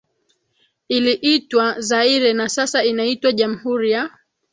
iliitwa Zaire na sasa inaitwa Jamhuri ya